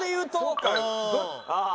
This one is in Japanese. ああ！